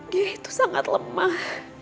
dia itu sangat lemah